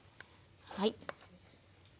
はい。